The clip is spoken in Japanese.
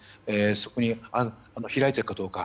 そこに開いているかどうか。